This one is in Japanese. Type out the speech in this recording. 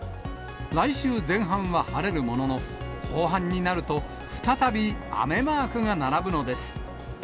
来週前半は晴れるものの、後半になると、再び雨マークが並ぶのです。